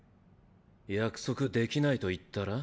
約束できないと言ったら？